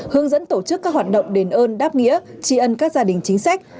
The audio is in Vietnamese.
hướng dẫn tổ chức các hoạt động đền ơn đáp nghĩa tri ân các gia đình chính sách